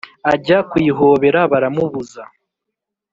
Ajya kuyihobera baramubuza: